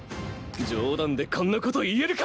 冗談でこんなこと言えるか！